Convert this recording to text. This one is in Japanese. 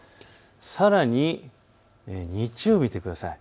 さらに日曜日を見てください。